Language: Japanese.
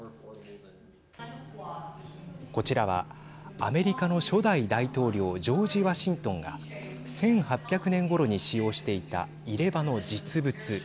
こちらはアメリカの初代大統領ジョージ・ワシントンが１８００年ごろに使用していた入れ歯の実物。